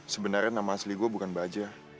sebenarnya nama asli gue bukan baja